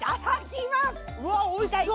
うわおいしそう！